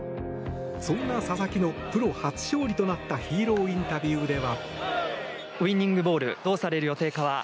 そんな佐々木のプロ初勝利となったヒーローインタビューでは。